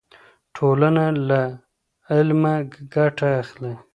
ټولنه له علمه ګټه اخلي.